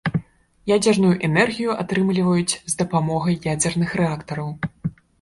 Ядзерную энергію атрымліваюць з дапамогай ядзерных рэактараў.